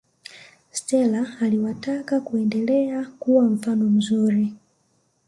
stela aliwataka kuendelea kuwa mfano mzuri